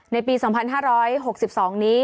ในปีสองพันห้าร้อยหกสิบสองนี้